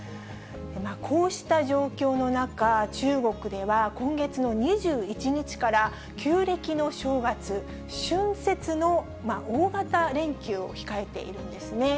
こうした状況の中、中国では今月の２１日から、旧暦の正月、春節の大型連休を控えているんですね。